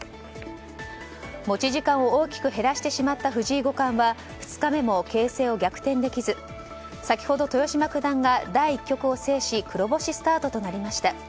持ち時間を大きく減らした藤井五冠は２日目も形勢を逆転できず先ほど豊島九段が第１局を制し黒星スタートとなりました。